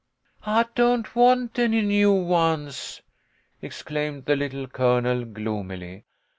" I don't want any new ones," exclaimed the Little Colonel, gloomily.